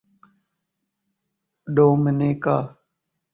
Dominica